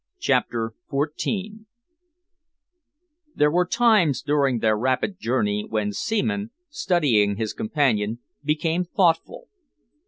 CHAPTER XIV There were times during their rapid journey when Seaman, studying his companion, became thoughtful.